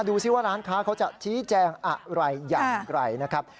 ดูสิว่าร้านค้าเขาจะชี้แจงอะไรอย่างไรนะครับ